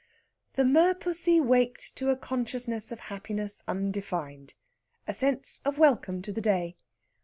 The merpussy waked to a consciousness of happiness undefined, a sense of welcome to the day.